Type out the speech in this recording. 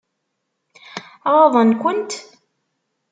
Ɣaḍen-kent?